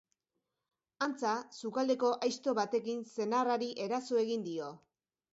Antza, sukaldeko aizto batekin senarrari eraso egin dio.